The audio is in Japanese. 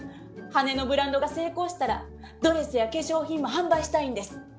羽のブランドが成功したらドレスや化粧品も販売したいんです。